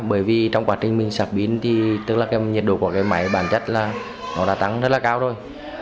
bởi vì trong quá trình mình sạc pin thì tức là cái nhiệt độ của cái máy bản chất là nó đã tăng rất là cao rồi